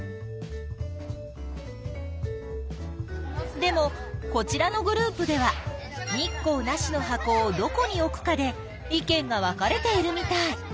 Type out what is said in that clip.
でもこちらのグループでは日光なしの箱をどこに置くかで意見が分かれているみたい。